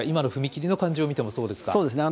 踏み切りの感じを見てもそうですか。